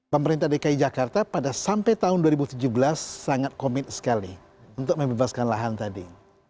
pemerintah dki jakarta pada sampai tahun dua ribu tujuh belas sangat komit sekali untuk membebaskan lahan tadi